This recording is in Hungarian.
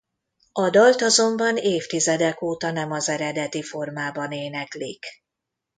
A dalt azonban évtizedek óta nem az eredeti formában éneklik.